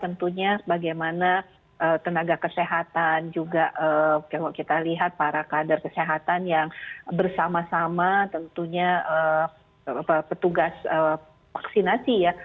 tentunya bagaimana tenaga kesehatan juga kalau kita lihat para kader kesehatan yang bersama sama tentunya petugas vaksinasi ya